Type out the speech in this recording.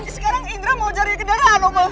sekarang indra mau cari kendaraan umum